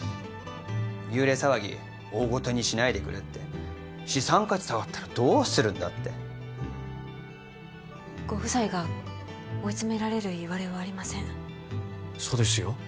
幽霊騒ぎ大ごとにしないでくれって資産価値下がったらどうするんだってご夫妻が追い詰められるいわれはありませんそうですよ